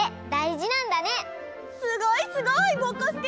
すごいすごい！ぼこすけ。